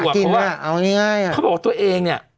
เพราะว่าเขาบอกว่าตัวเองเนี่ย